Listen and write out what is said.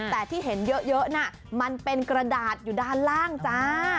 แต่ที่เห็นเยอะน่ะมันเป็นกระดาษอยู่ด้านล่างจ้า